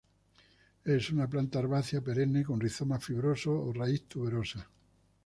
Es una planta herbácea perenne con rizoma fibroso o raíz tuberosa.